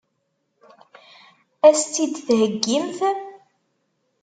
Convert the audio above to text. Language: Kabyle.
Ad as-tt-id-theggimt?